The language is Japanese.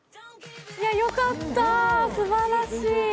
よかった、すばらしい。